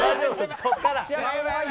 ここから！